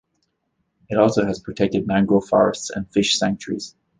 It also has protected mangrove forests and fish sanctuaries.